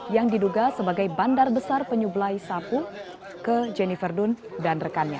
yang diduga sebagai bandar besar penyuplai sapu ke jennifer duon dan rekannya